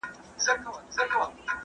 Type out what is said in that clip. مرگه! که ژوند غواړم نو تاته نذرانه دي شمه